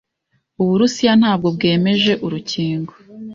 Uburusiya nabwo bwemeje urukingo